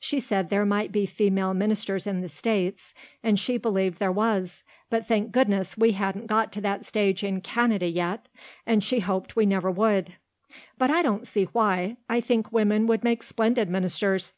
She said there might be female ministers in the States and she believed there was, but thank goodness we hadn't got to that stage in Canada yet and she hoped we never would. But I don't see why. I think women would make splendid ministers.